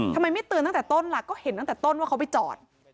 ทำไมไม่เตือนตั้งแต่ต้นล่ะก็เห็นตั้งแต่ต้นว่าเขาไปจอด